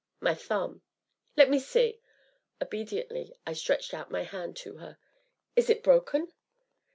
"My thumb." "Let me see?" Obediently I stretched out my hand to her. "Is it broken?"